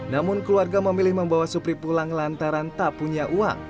namun keluarga memilih membawa supri pulang lantaran tak punya uang